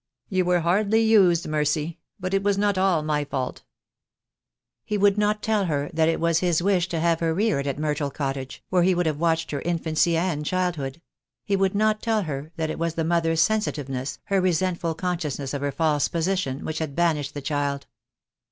"You were hardly used, Mercy; but it was not all my fault." He would not tell her that it was his wish to have her reared at Myrtle Cottage, where he would have watched her infancy and childhood; he would not tell her that it was the mother's sensitiveness, her resentful consciousness of her false position, which had banished the child.